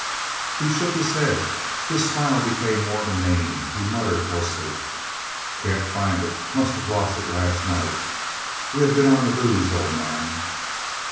He shook his head. His smile became more inane. He muttered hoarsely: "Can't find it. Must have lost it last night. We have been on the booze, old man."